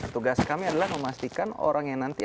tugas kami adalah memastikan orang yang nanti